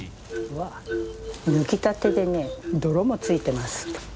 わっ抜きたてでね泥も付いてます。